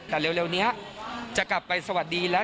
แต่เร็วนี้จะกลับไปสวัสดีแล้ว